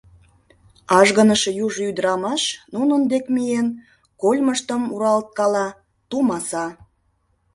Ажгыныше южо ӱдырамаш, нунын дек миен, кольмыштым руалткала, тумаса: